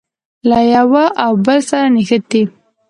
له یوه او بل سره نښتي.